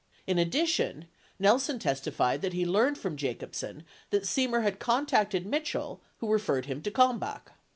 32 In addition, Nelson testified that he learned from Jacobsen that Semer had contacted Mitchell who referred him to Kalmbach.